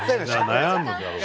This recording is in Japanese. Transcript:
悩んでる。